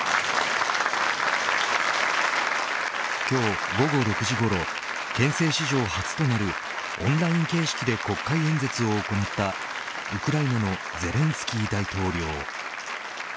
今日、午後６時ごろ憲政史上初となるオンライン形式で国会演説を行ったウクライナのゼレンスキー大統領。